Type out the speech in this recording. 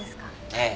ええ。